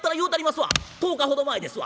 １０日ほど前ですわ。